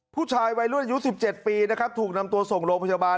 ผู้ชายวัยรุ่นอายุ๑๗ปีนะครับถูกนำตัวส่งโรงพยาบาล